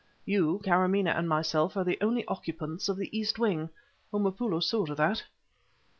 "You, Kâramaneh, and myself are the only occupants of the east wing. Homopoulo saw to that."